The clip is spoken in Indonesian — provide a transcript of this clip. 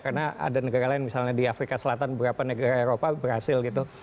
karena ada negara lain misalnya di afrika selatan beberapa negara eropa berhasil gitu